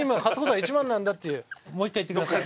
もう１回言ってください。